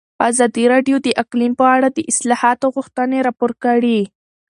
ازادي راډیو د اقلیم په اړه د اصلاحاتو غوښتنې راپور کړې.